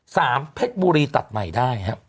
เพชรบุรีตัดใหม่ได้ครับ